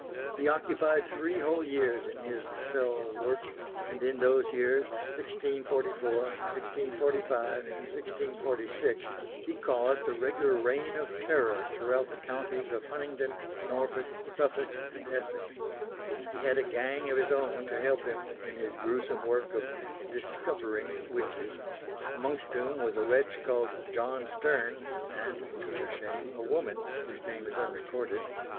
He occupied three whole years in his fell work; and in those years, 1644, 1645 and 1646, he caused a regular reign of terror throughout the counties of Huntingdon, Norfolk, Suffolk and Essex. He had a gang of his own to help him in his gruesome work of "discovering" witches; amongst whom was a wretch called John Stern and to her shame a woman, whose name is unrecorded.